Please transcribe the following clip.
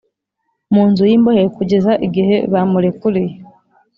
mu nzu y imbohe kugeza igihe bamurekuriye